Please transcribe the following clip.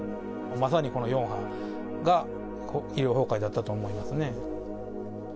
まさにこの４波が医療崩壊だったと思いますね。